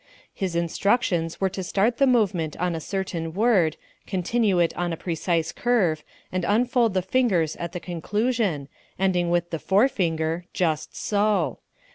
His instructions were to start the movement on a certain word, continue it on a precise curve, and unfold the fingers at the conclusion, ending with the forefinger just so.